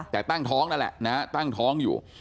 แต่ตั้งท้องนั่นแหละนะฮะตั้งท้องอยู่